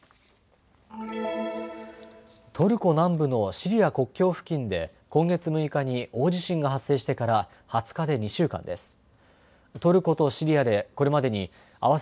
トルコ南部のシリア国境付近で今月６日に大地震が発生してから２０日で２週間です。